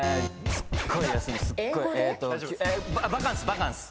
バカンス。